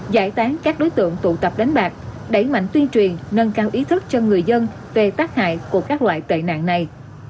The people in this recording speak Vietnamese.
giải tán các đối tượng tụ tập đánh bạc đẩy mạnh tuyên truyền nâng cao ý thức cho người dân về tác hại của các loại tệ nạn này